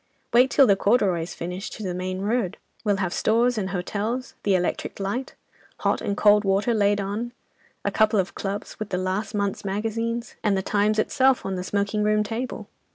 Wait till the corduroy's finished to the main road; we'll have stores and hotels, the electric light, hot and cold water laid on; a couple of clubs, with the last month's magazines, and The Times itself on the smoking room table.